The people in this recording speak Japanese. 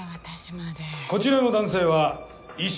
こちらの男性は意識